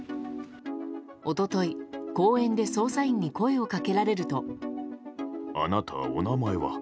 一昨日、公園で捜査員に声をかけられると。